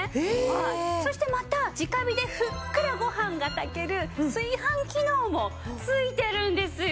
そしてまた直火でふっくらご飯が炊ける炊飯機能も付いてるんですよ。